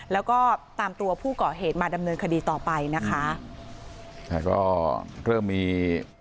แล้วก็ตามตัวผู้ก่อเหตุมาดำเนินคดีต่อไปนะคะแต่ก็เริ่มมี